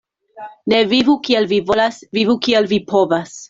Ne vivu kiel vi volas, vivu kiel vi povas.